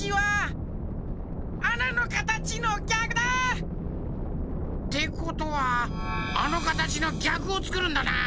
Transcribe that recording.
あなのかたちのぎゃくだ！ってことはあのかたちのぎゃくをつくるんだな。